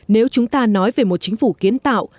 nếu chúng ta nói về một chính phủ kiến tạo